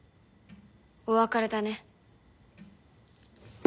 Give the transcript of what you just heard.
お別れだね。